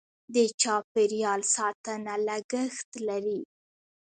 د چاپیریال ساتنه لګښت لري.